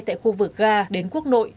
tại khu vực ga đến quốc nội